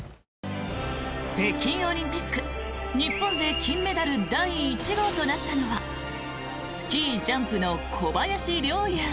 北京オリンピック日本勢金メダル第１号となったのはスキージャンプの小林陵侑。